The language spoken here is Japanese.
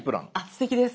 すてきです。